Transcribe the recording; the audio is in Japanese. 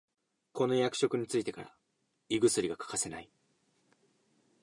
この役職についてから胃薬が欠かせない